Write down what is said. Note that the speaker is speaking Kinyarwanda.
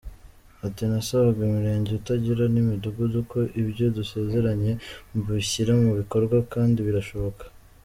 Ati “Nasabaga imirenge, utugari n’imidugudu ko ibyo dusezeranye mubishyira mu bikorwa kandi birashoboka.